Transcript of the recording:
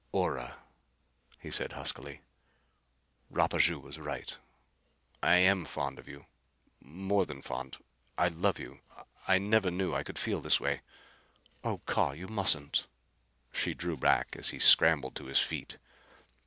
"Ora," he said huskily, "Rapaju was right. I am fond of you. More than fond: I love you. I never knew I could feel this way." "Oh Carr, you mustn't!" She drew back as he scrambled to his feet.